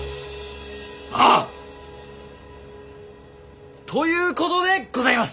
ああ！ということでございます！